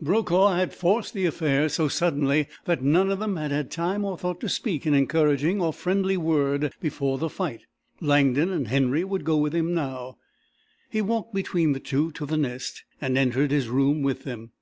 Brokaw had forced the affair so suddenly that none of them had had time or thought to speak an encouraging or friendly word before the fight. Langdon and Henry would go with him now. He walked between the two to the Nest, and entered his room with them.